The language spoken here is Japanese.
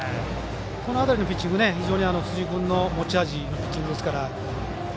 この辺りのピッチング非常に辻君の持ち味のピッチングですから。